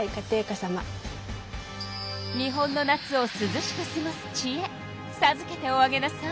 日本の夏をすずしくすごすちえさずけておあげなさい。